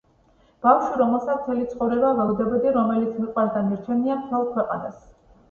ბავშვი, რომელსაც მთელი ცხოვრება ველოდებოდი, რომელიც მიყვარს და მირჩევნია მთელს ქვეყანას.